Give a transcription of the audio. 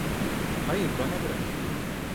Hayır, bana bırak.